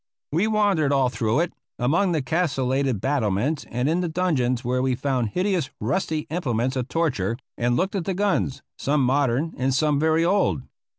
We wandered all through it, among the castellated battlements, and in the dungeons, where we found hideous rusty implements of torture; and looked at the guns, some modern and some very old.